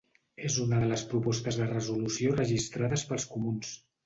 És una de les propostes de resolució registrades pels comuns.